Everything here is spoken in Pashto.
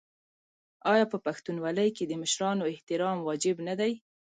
آیا په پښتونولۍ کې د مشرانو احترام واجب نه دی؟